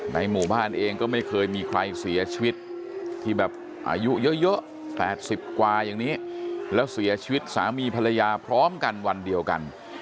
หมู่บ้านเองก็ไม่เคยมีใครเสียชีวิตที่แบบอายุเยอะ๘๐กว่าอย่างนี้แล้วเสียชีวิตสามีภรรยาพร้อมกันวันเดียวกัน